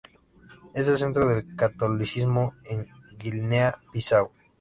Es el centro del catolicismo en Guinea-Bisáu.